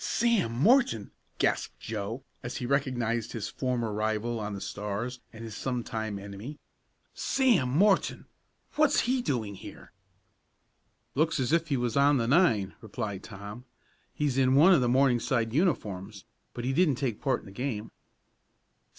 "Sam Morton!" gasped Joe, as he recognized his former rival on the Stars and his sometime enemy. "Sam Morton! What's he doing here?" "Looks as if he was on the nine," replied Tom. "He's in one of the Morningside uniforms, but he didn't take part in the game."